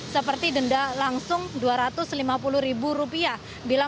seperti denda langsung dua ratus lima puluh ribu rupiah